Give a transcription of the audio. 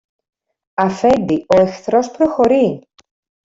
Αφέντη, ο εχθρός προχωρεί!